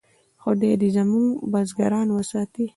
خدای دې زموږ بزګران وساتي.